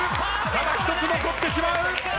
ただ１つ残ってしまう！